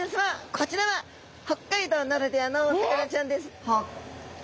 こちらは北海道ならではのお魚ちゃんです。